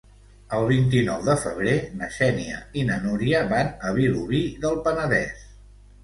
El vint-i-nou de febrer na Xènia i na Núria van a Vilobí del Penedès.